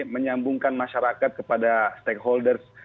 menyambungkan masyarakat kepada stakeholders